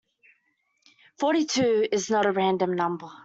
Forty-two is not a random number.